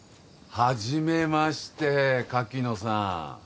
はじめまして柿野さん。